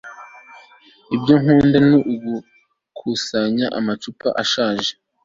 ibyo nkunda ni ugukusanya amacupa ashaje